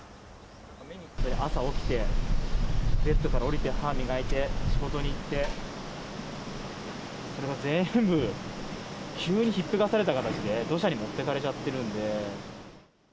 朝起きて、ベッドから降りて歯磨いて、仕事に行って、それが全部、急に引っぺがされた形で、土砂に持ってかれちゃってるんで。